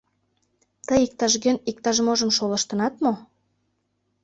Тый иктаж-кӧн иктаж-можым шолыштынат мо?